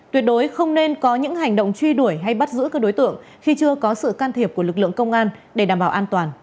tuyệt đối không nên có những hành động truy đuổi hay bắt giữ các đối tượng khi chưa có sự can thiệp của lực lượng công an để đảm bảo an toàn